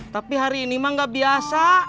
tapi hari ini mah gak biasa